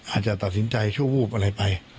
อาจจะตัดสินใจชั่ววูบอะไรไป